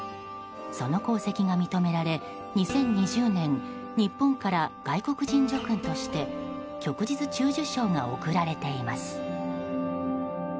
その功績が認められ２０２０年日本から外国人叙勲として旭日中綬章が贈られています。